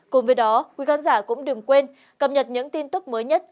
cùng với đó quý khán giả cũng đừng quên cập nhật những tin tức mới nhất